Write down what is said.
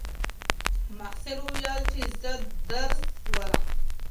محصل وویل چې زه درس لولم.